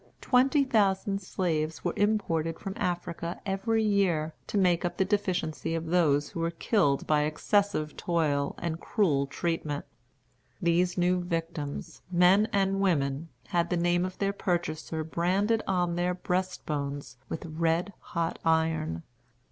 Twenty thousand slaves were imported from Africa every year, to make up the deficiency of those who were killed by excessive toil and cruel treatment. These new victims, men and women, had the name of their purchaser branded on their breast bones with red hot iron.